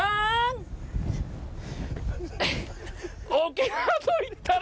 沖縄といったら。